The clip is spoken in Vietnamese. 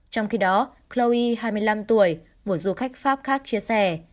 trong khi đó clouy hai mươi năm tuổi một du khách pháp khác chia sẻ